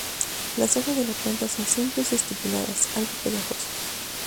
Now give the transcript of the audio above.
Las hojas de la planta son simples y estipuladas, algo pegajosas.